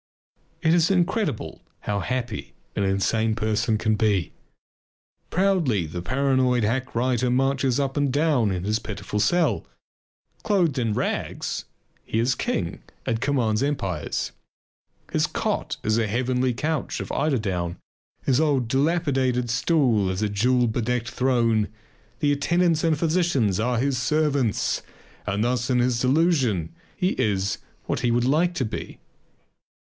It is incredible how happy an insane person can be. Proudly the paranoid hack writer marches up and down in his pitiful cell. Clothed in rags, he is king and commands empires. His cot is a heavenly couch of eiderdown; his old dilapidated stool is a jewel bedecked throne. The attendants and the physicians are his servants. And thus in his delusion he is what he would like to be.